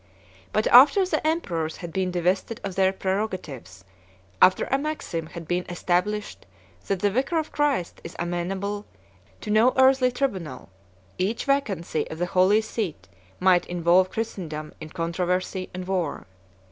But after the emperors had been divested of their prerogatives, after a maxim had been established that the vicar of Christ is amenable to no earthly tribunal, each vacancy of the holy see might involve Christendom in controversy and war.